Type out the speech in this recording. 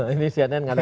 ini cnn nggak ada